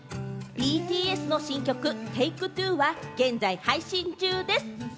ＢＴＳの新曲『ＴａｋｅＴｗｏ』は現在配信中です。